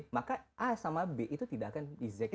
maka a sama b itu tidak akan exactly sama